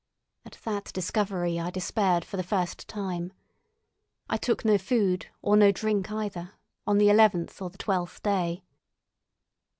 At that discovery I despaired for the first time. I took no food, or no drink either, on the eleventh or the twelfth day.